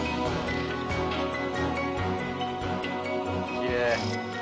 きれい。